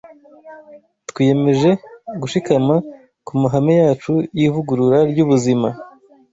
Twiyemeje gushikama ku mahame yacu y’ivugurura ry’ubuzima,